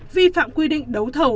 vi phạm quy định đấu thầu